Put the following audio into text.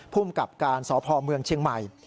ภูมิกับการสพเมืองเชียงใหม่